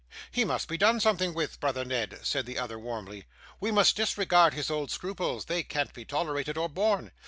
'He must be done something with, brother Ned,' said the other, warmly; 'we must disregard his old scruples; they can't be tolerated, or borne.